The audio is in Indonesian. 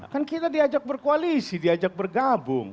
kan kita diajak berkoalisi diajak bergabung